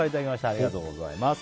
ありがとうございます。